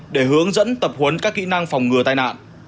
để hướng dẫn tập huấn các kỹ năng phòng ngừa tai nạn